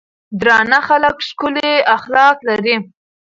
درانۀ خلک ښکلي اخلاق لري.